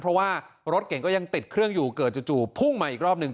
เพราะว่ารถเก่งก็ยังติดเครื่องอยู่เกิดจู่พุ่งมาอีกรอบหนึ่ง